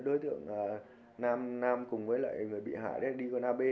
đối tượng nam cùng với người bị hại đi gần ab